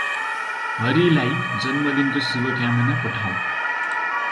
हरि लाई जन्मदिनको शुभकामना पठाऊ ।